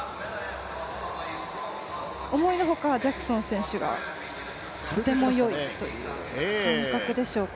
思いの外ジャクソン選手がとても良いという感覚でしょうか。